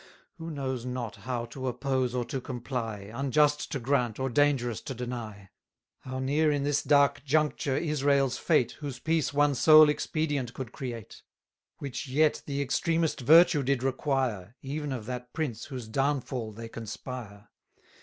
Who knows not how to oppose or to comply Unjust to grant, or dangerous to deny! How near, in this dark juncture, Israel's fate, Whose peace one sole expedient could create, Which yet the extremest virtue did require, 590 Even of that prince whose downfall they conspire!